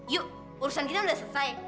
yuk urusan kita sudah selesai